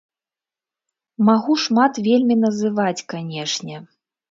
Магу шмат вельмі называць, канечне.